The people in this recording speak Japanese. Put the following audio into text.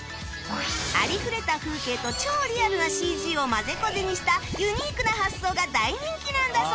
ありふれた風景と超リアルな ＣＧ を混ぜこぜにしたユニークな発想が大人気なんだそうです